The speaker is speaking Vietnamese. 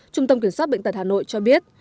trung tâm kiểm soát bệnh tật hà nội cho biết